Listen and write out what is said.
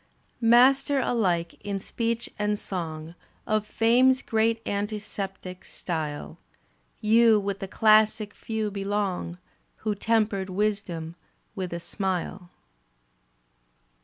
Master alike in speech and song Of Fame's great antiseptic. Style, You with the classic few belong. Who tempered wisdom with a smile.